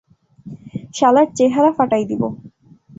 শালার চেহারা ফাটাই দিবো।